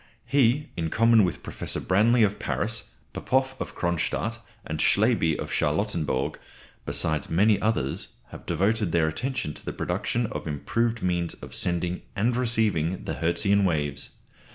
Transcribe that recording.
He, in common with Professors Branly of Paris, Popoff of Cronstadt, and Slaby of Charlottenburg, besides many others, have devoted their attention to the production of improved means of sending and receiving the Hertzian waves.